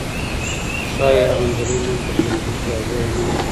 ښايي هغه نجلۍ نن په ټولګي کې حاضره نه وي.